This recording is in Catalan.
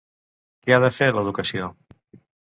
Què ha de fer l'educació?